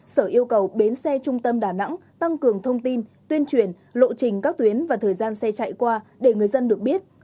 sở yêu cầu bến xe trung tâm đà nẵng tăng cường thông tin tuyên truyền lộ trình các tuyến và thời gian xe chạy qua để người dân được biết